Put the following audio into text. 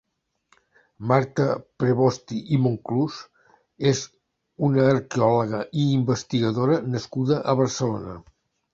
Marta Prevosti i Monclús és una arqueòloga i investigadora nascuda a Barcelona.